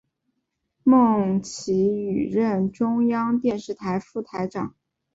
孟启予任中央电视台副台长。